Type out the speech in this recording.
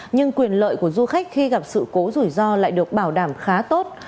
nhưng quyền lợi của du khách khi gặp sự cố rủi ro lại được bảo đảm khá tốt